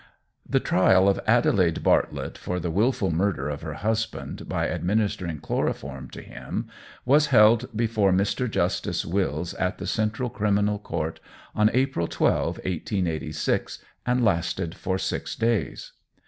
The trial of Adelaide Bartlett for the wilful murder of her husband by administering chloroform to him, was held before Mr. Justice Wills at the Central Criminal Court on April 12, 1886, and lasted for six days.